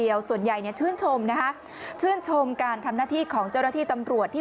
ยกพวกเขาไปที่รถตำรวจ